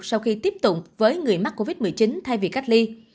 sau khi tiếp tục với người mắc covid một mươi chín thay vì cách ly